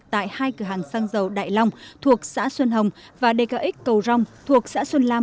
tại hai cửa hàng xăng dầu đại long thuộc xã xuân hồng và dkx cầu rong thuộc xã xuân lam